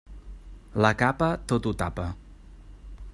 La capa tot ho tapa.